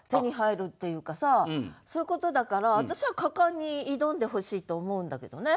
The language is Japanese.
そういうことだから私は果敢に挑んでほしいと思うんだけどね。